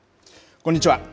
こんにちは。